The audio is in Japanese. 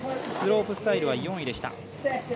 スロープスタイルは４位でした。